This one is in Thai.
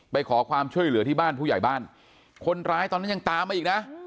ไปขอความช่วยเหลือที่บ้านผู้ใหญ่บ้านคนร้ายตอนนั้นยังตามมาอีกนะ